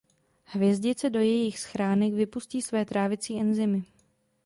Hvězdice do jejich schránek vypustí své trávicí enzymy.